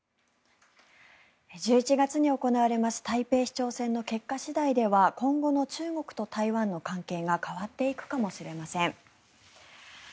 １１月に行われます台北市長選の結果次第では今後の中国と台湾の関係が変わっていくかもしれません。